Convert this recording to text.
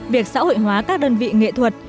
việc xã hội hóa các đơn vị nghệ thuật